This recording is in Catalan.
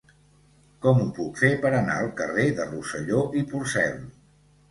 Com ho puc fer per anar al carrer de Rosselló i Porcel?